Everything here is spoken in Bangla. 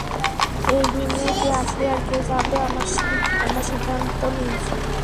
এই দুনিয়ায় কে আসবে আর যাবে সে আমরা সিদ্ধান্ত নিই।